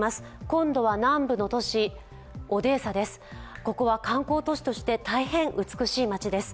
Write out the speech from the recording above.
今度は南部の都市オデーサです、ここは観光都市として大変美しい街です。